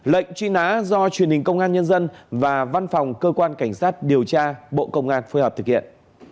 lệnh truy nã do truyền hình công an nhân dân và văn phòng cơ quan cảnh sát điều tra bộ công an phối hợp thực hiện